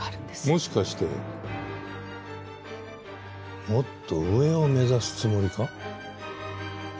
もしかしてもっと上を目指すつもりか？